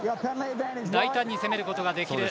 大胆に攻めることができる。